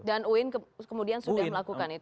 dan uin kemudian sudah melakukan itu